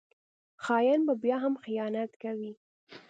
خاین به بیا هم خیانت کوي